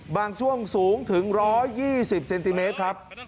บางช่วงสูงถึง๑๒๐เซนติเมตรครับ